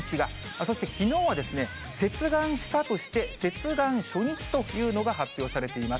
そしてきのうは、接岸したとして、接岸初日というのが発表されています。